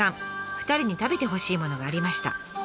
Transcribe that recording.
２人に食べてほしいものがありました。